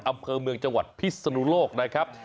อำเภอเมืองจังหวัดพิศนุโลกนะครับ